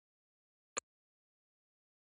له ژبې یې پاکول د تاریخي حافظې پاکول دي